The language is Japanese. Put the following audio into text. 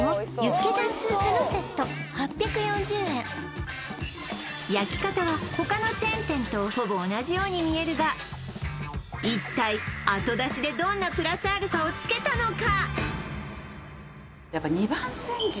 こちらは焼き方は他のチェーン店とほぼ同じように見えるが一体あと出しでどんなプラスアルファをつけたのか？